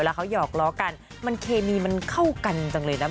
แล้วเขาหอกล้อกันมันเคมีมันเข้ากันจังเลยนะ